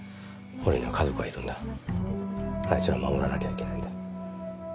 俺には家族がいるんだあいつら守らなきゃいけないんだ